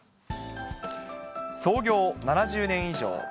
創業７０年以上。